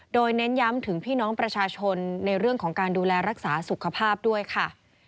โดยเน้นย้ำถึงพี่น้องประชาชนในเรื่องของการดูแลรักษาสุขภาพด้วยค่ะ